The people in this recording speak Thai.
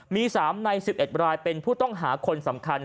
มี๓ใน๑๑รายเป็นผู้ต้องหาคนสำคัญ